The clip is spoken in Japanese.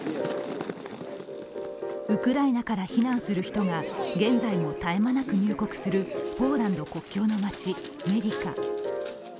ウクライナから避難する人が現在も絶え間なく入国するポーランド国境の街・メディカ。